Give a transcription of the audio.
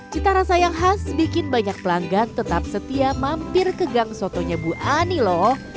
cita rasa yang khas bikin banyak pelanggan tetap setia mampir ke gang sotonya bu ani loh